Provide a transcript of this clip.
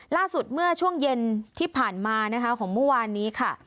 ล่าสุดเมื่อช่วงเย็นที่ผ่านมานะคะของเมื่อวานนี้ค่ะ